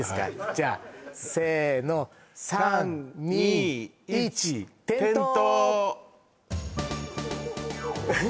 じゃあせーの３２１点灯！